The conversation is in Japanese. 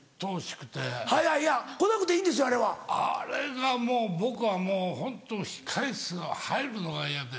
あれがもう僕はもうホント控室入るのが嫌で。